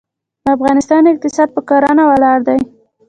د افغانستان اقتصاد په کرنه ولاړ دی.